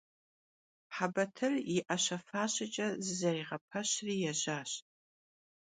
Hebatır yi 'eşe - faşeç'e zızeriğepeşri yêjaş.